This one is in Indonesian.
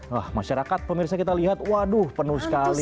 wah masyarakat pemirsa kita lihat waduh penuh sekali